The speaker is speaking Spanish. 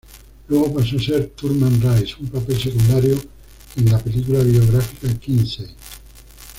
Luego pasó a ser Thurman Rice, un papel secundario en la película biográfica "Kinsey".